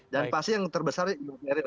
dan pasti yang terbesar imateril